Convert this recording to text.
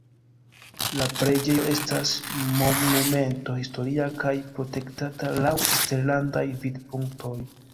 La preĝejo estas Monumento historia kaj protektata laŭ eksterlandaj vidpunktoj.